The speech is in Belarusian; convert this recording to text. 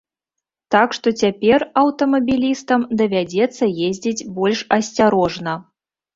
Так што цяпер аўтамабілістам давядзецца ездзіць больш асцярожна.